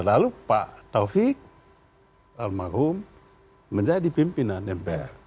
lalu pak taufik almarhum menjadi pimpinan mpr